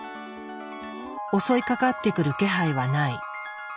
襲いかかってくる気配はない。